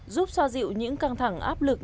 giúp xoa dịu những căng thẳng áp lực